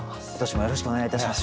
よろしくお願いします。